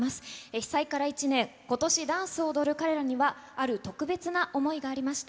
被災から１年、ことしダンスを踊る彼らには、ある特別な想いがありました。